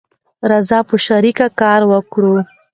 راځی په شریکه کار وکړو